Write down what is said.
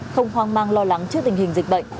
không hoang mang lo lắng trước tình hình dịch bệnh